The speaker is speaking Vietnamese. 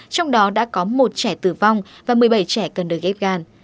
trong đó đã có một trẻ tử vong và một mươi bảy trẻ cần được ghép gan